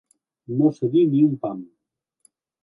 No cedir ni un pam.